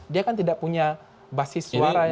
dia kan tidak punya basis suara yang bisa dianggap